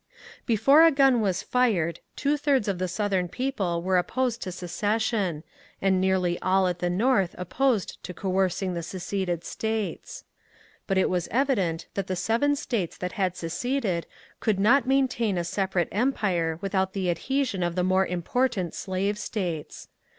Before a gun was fired two thirds of the Southern people were opposed to secession, and nearly all at the North opposed to coercing the seceded States.^ But it was evident that the seven States that had seceded could not maintain a separate empire without the adhesion of the more important slave States.